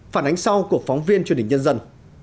phản ánh sau của phóng viên truyền hình nhân dân